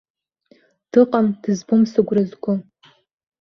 Дыҟам, дызбом сыгәра зго.